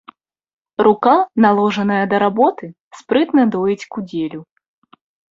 Рука, наложаная да работы, спрытна доіць кудзелю.